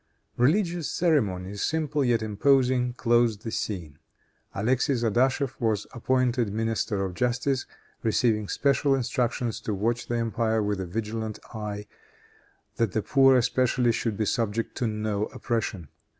Religious ceremonies, simple yet imposing, closed this scene. Alexis Adachef was appointed minister of justice, receiving special instructions to watch the empire with a vigilant eye, that the poor especially should be subject to no oppression.